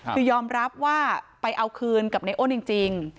คือยอมรับว่าไปเอาคืนกับในอ้นจริง